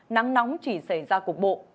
nắng nóng chỉ xảy ra cục bộ